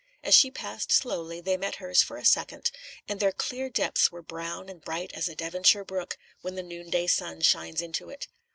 As she passed slowly, they met hers for a second, and their clear depths were brown and bright as a Devonshire brook when the noonday sun shines into it.